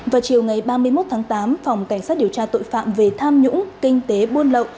vào chiều ngày ba mươi một tháng tám phòng cảnh sát điều tra tội phạm về tham nhũng kinh tế buôn lậu